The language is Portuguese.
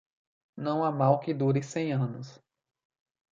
Não há mal que dure cem anos.